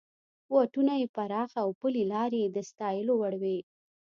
واټونه یې پراخه او پلې لارې یې د ستایلو وړ وې.